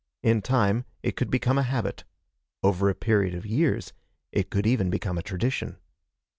In time it could become a habit. Over a period of years it could even become a tradition.